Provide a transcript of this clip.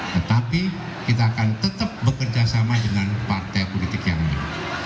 tetapi kita akan tetap bekerja sama dengan partai politik yang baik